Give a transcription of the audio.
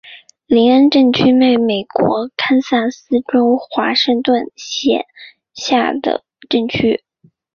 林恩镇区为美国堪萨斯州华盛顿县辖下的镇区。